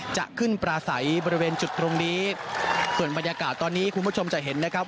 จะขึ้นปลาใสบริเวณจุดตรงนี้ส่วนบรรยากาศตอนนี้คุณผู้ชมจะเห็นนะครับ